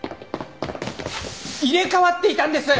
入れ替わっていたんです！